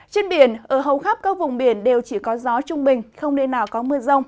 trên biển ở hầu khắp các vùng biển đều chỉ có gió trung bình không nên nào có mưa rông